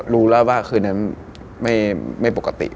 รู้แล้วว่าคืนนั้นไม่ปกติ